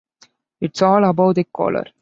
It's all above the collar.